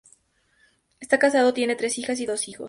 Está casado, tiene tres hijas y dos hijos.